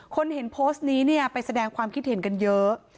คนเห็นโพสต์นี้เนี่ยไปแสดงความคิดเห็นกันเยอะ